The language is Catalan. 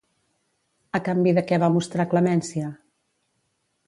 A canvi de què va mostrar clemència?